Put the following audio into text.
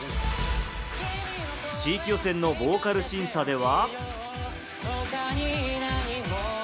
地域予選のボーカル審査では。